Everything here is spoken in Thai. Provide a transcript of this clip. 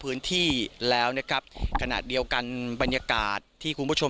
พื้นที่แล้วนะครับขณะเดียวกันบรรยากาศที่คุณผู้ชม